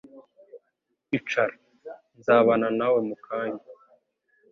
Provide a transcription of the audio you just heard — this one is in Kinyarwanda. Icara. Nzabana nawe mu kanya.